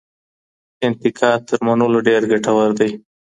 انتقاد تر منلو ډېر ګټور دی.